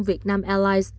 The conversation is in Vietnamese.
việt nam airlines